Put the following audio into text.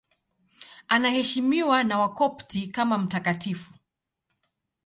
Anaheshimiwa na Wakopti kama mtakatifu.